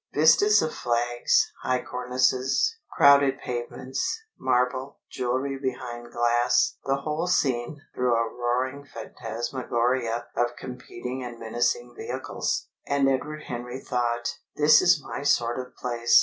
Vistas of flags, high cornices, crowded pavements, marble, jewelry behind glass the whole seen through a roaring phantasmagoria of competing and menacing vehicles! And Edward Henry thought: "This is my sort of place!"